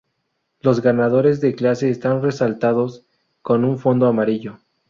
Los ganadores de clase están resaltados con un fondo amarillo.